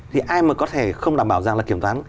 thì ai mới có thể không đảm bảo rằng là kiểm toán